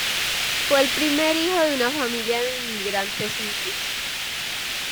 Fue el primer hijo de una familia de inmigrantes indios.